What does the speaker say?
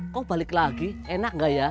kok balik lagi enak gak ya